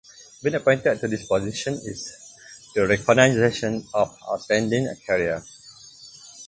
Being appointed to this position is the recognition of an outstanding career.